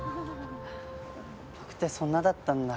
僕ってそんなだったんだ。